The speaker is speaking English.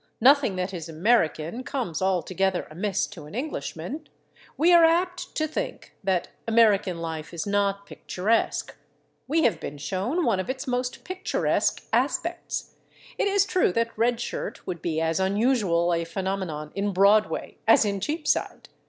Nothing that is American comes altogether amiss to an Englishman. We are apt to think that American life is not picturesque. We have been shown one of its most picturesque aspects. It is true that Red Shirt would be as unusual a phenomenon in Broadway as in Cheapside.